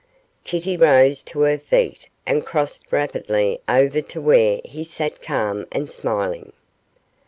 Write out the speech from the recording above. Kitty rose to her feet and crossed rapidly over to where he sat calm and smiling.